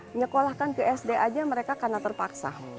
menyekolahkan ke sd aja mereka karena terpaksa